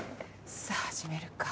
さあ始めるか。